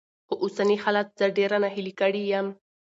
خو اوسني حالات زه ډېره ناهيلې کړې يم.